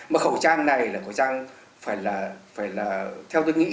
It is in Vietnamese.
mà khẩu trang này là khẩu trang phải là theo tôi nghĩ